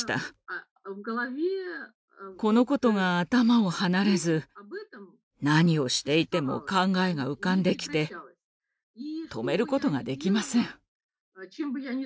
このことが頭を離れず何をしていても考えが浮かんできて止めることができません。